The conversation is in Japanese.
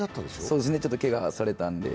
そうですね、ちょっとけがされたんで。